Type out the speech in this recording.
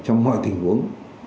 trong mọi tình huống